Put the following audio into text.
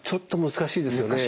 難しいです。